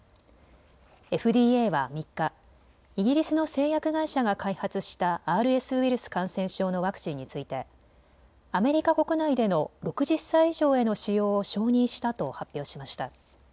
ＦＤＡは３日、イギリスの製薬会社が開発したＲＳウイルス感染症のワクチンについてアメリカ国内での６０歳以上への使用を承認したと発表しました。